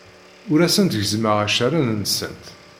Ur asent-gezzmeɣ accaren-nsent.